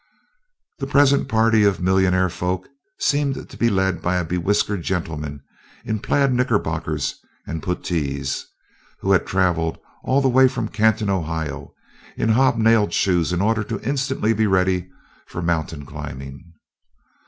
The present party of millionaire folk seemed to be led by a bewhiskered gentleman in plaid knickerbockers and puttees, who had travelled all the way from Canton, Ohio, in hobnailed shoes in order instantly to be ready for mountain climbing.